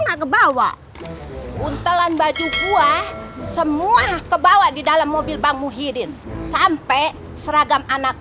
nah kebawa untelan baju buah semua kebawa di dalam mobil bang muhidin sampai seragam anak